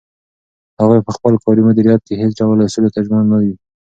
هغوی په خپل کاري مدیریت کې هیڅ ډول اصولو ته ژمن نه وو.